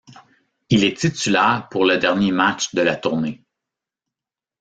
Il est titulaire pour le dernier match de la tournée.